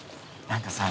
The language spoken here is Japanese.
何かさ